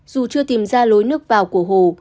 dù chưa tìm ra lối nước vào của hồ